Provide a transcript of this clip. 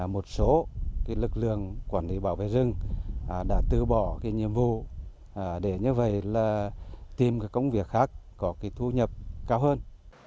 một số lực lượng quản lý bảo vệ rừng đã tư bỏ nhiệm vụ để như vậy tìm công việc khác có thu nhập cao hơn